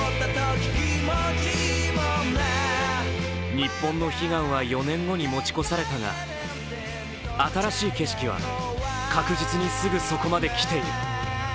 日本の悲願は４年後に持ち越されたが新しい景色は確実にすぐそこまで来ている。